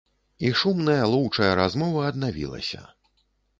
І шумная лоўчая размова аднавілася.